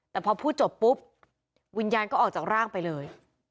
แต่พอพูดจบปุ๊บวิญญาณก็ออกจากร่างไปเลย